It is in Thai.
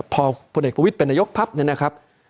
พอพลเอกประวิทย์เป็นนายกปั๊บเนี่ยนะครับ